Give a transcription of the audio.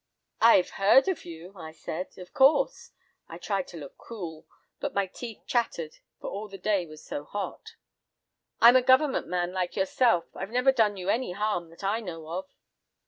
"'"I've heard of you," I said, "of course." I tried to look cool, but my teeth chattered, for all the day was so hot. "I'm a Government man, like yourself. I've never done you any harm that I know of."